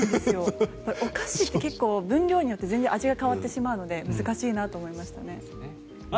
お菓子って分量によって全然味が変わってしまうので難しいなって思いました。